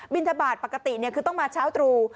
ทบาทปกติคือต้องมาเช้าตรู